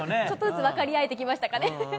ちょっとずつ分かり合えてきましたかね。